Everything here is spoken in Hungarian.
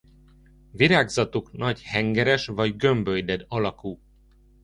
Virágzatuk nagy hengeres vagy gömbölyded alakú.